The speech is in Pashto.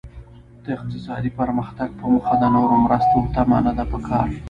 د اقتصادي پرمختګ په موخه د نورو مرستو تمه نده پکار.